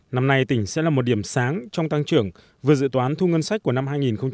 năm nay tỉnh sẽ là một điểm sáng trong tăng trưởng vừa dự toán thu ngân sách của năm hai nghìn hai mươi